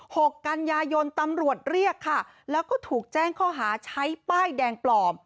หกกันยายนตำรวจเรียกค่ะแล้วก็ถูกแจ้งข้อหาใช้ป้ายแดงปลอม